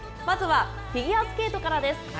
まずはフィギュアスケートからです。